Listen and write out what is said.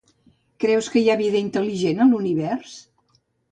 Creus que hi ha vida intel·ligent a l'Univers?